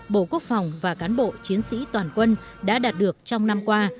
bộ quốc phòng và cán bộ chiến sĩ toàn quân đã đạt được trong năm qua